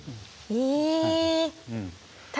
え。